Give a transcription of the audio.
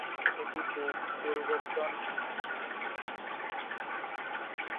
এটি পূর্বতন বস্তার জেলা থেকে খোদিত করা হয়েছিল।